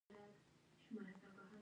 هېواد د بزګر خاورې دي.